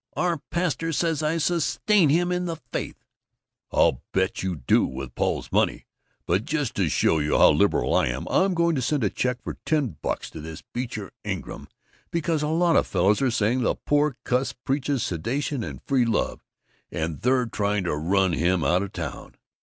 Our pastor says I sustain him in the faith!" "I'll bet you do! With Paul's money! But just to show you how liberal I am, I'm going to send a check for ten bucks to this Beecher Ingram, because a lot of fellows are saying the poor cuss preaches sedition and free love, and they're trying to run him out of town."